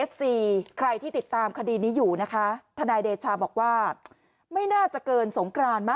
ใครที่ติดตามคดีนี้อยู่นะคะทนายเดชาบอกว่าไม่น่าจะเกินสงกรานมั